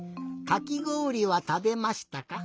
「かきごおりはたべましたか」？